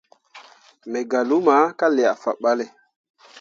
Me gah luma ka liah faɓalle.